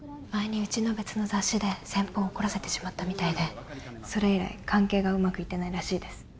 前にうちの別の雑誌で先方を怒らせてしまったみたいでそれ以来関係がうまくいってないらしいです